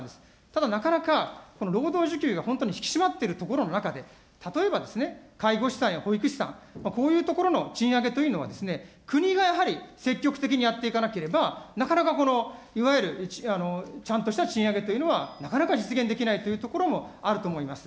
ただなかなか労働需給が本当に引き締まっているところの中で、例えば、介護士さんや保育士さん、こういうところの賃上げというのは、国がやはり積極的にやっていかなければ、なかなかいわゆるちゃんとした賃上げというのは、なかなか実現できないというところもあると思います。